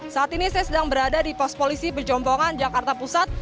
saat ini saya sedang berada di pos polisi berjombongan jakarta pusat